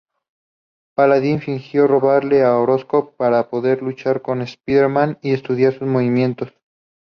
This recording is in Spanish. Paladín fingió robarle a Oscorp para poder luchar contra Spider-Man y estudiar sus movimientos.